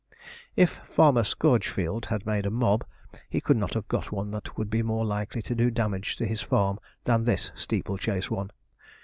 If Farmer Scourgefield had made a mob, he could not have got one that would be more likely to do damage to his farm than this steeple chase one.